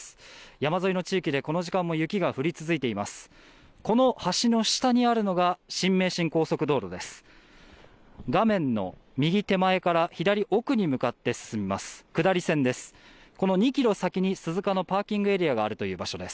山沿いの地域でこの時間も雪が降り続いています。